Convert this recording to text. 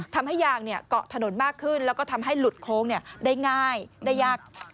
ทำให้ยางเกาะถนนมากขึ้นแล้วก็ทำให้หลุดโค้งได้ง่ายได้ยาก